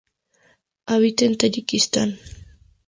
Habita en Tayikistán.